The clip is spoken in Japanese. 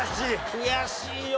悔しいよ。